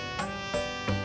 tidak ada yang bisa diberikan